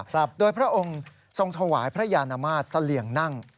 ครับโดยพระองค์ทรงถวายพระยานมาตรเสลี่ยงนั่ง